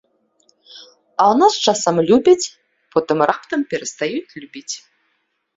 А ў нас часам любяць, потым раптам перастаюць любіць.